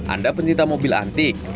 anda pencinta mobil antik